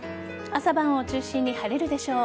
朝晩を中心に晴れるでしょう。